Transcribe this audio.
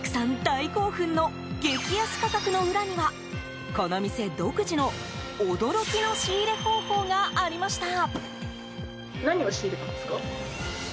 大興奮の激安価格の裏にはこの店独自の驚きの仕入れ方法がありました。